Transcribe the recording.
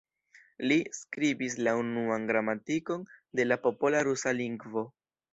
Li skribis la unuan gramatikon de la popola rusa lingvo.